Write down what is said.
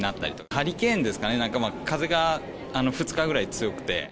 ハリケーンですかね、風が２日ぐらい強くて。